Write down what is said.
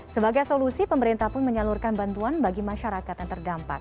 sebagai solusi pemerintah pun menyalurkan bantuan bagi masyarakat yang terdampak